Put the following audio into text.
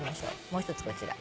もう一つこちら。